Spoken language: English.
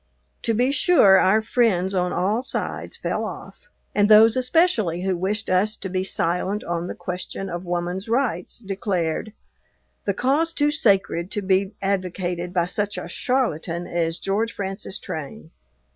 To be sure our friends, on all sides, fell off, and those especially who wished us to be silent on the question of woman's rights, declared "the cause too sacred to be advocated by such a charlatan as George Francis Train."